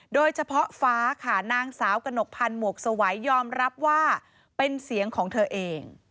โดยเฉพาะฟ้าค่ะนางสาวกระหนกพันธ์หมวกสวัยยอมรับว่าเป็นเสียงของเธอเอง